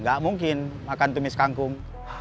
gak mungkin makan tumis kangkung